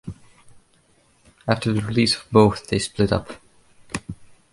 After the release of both they split up.